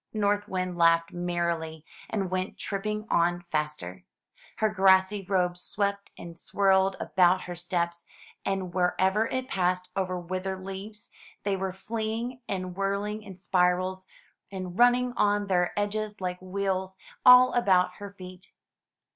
North Wind laughed merrily, and went tripping on faster. Her grassy robe swept and swirled about her steps, and wher ever it passed over withered leaves, they went fleeing and whirl ing in spirals, and running on their edges like wheels, all about her feet.